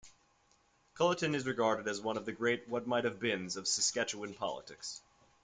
Culliton is regarded as one of the great "what-might have-beens" of Saskatchewan politics.